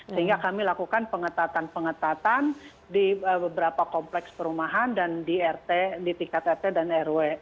sehingga kami lakukan pengetatan pengetatan di beberapa kompleks perumahan dan di rt di tingkat rt dan rw